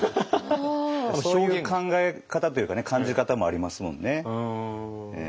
そういう考え方というかね感じ方もありますもんね。